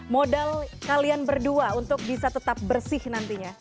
modal kalian berdua untuk bisa tetap bersih nantinya